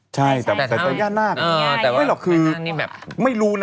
ใช่แต่หัวหน้ากไม่รู้นะ